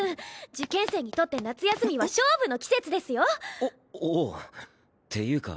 受験生にとって夏休みは勝負の季節ですよおおうっていうか